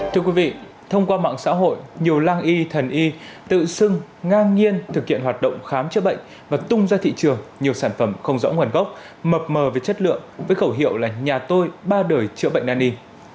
thưa quý vị thông qua mạng xã hội nhiều lang y thần y tự xưng ngang nhiên thực hiện hoạt động khám chữa bệnh và tung ra thị trường nhiều sản phẩm không rõ nguồn gốc mập mờ về chất lượng với khẩu hiệu là nhà tôi ba đời chữa bệnh nan y